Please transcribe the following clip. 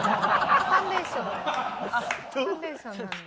ファンデーションなので。